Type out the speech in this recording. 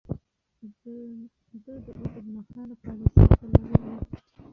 ده د اوږدمهاله پاليسۍ پلوی و.